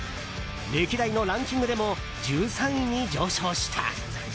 歴代のランキングでも１３位に上昇した。